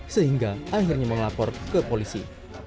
sehingga akhirnya melapor ke polisi